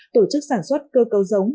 tổ chức sản xuất cơ cấu giống